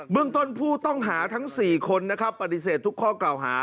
เรื่องต้นผู้ต้องหาทั้ง๔คนนะครับปฏิเสธทุกข้อกล่าวหา